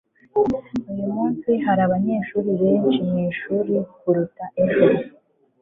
uyu munsi hari abanyeshuri benshi mwishuri kuruta ejo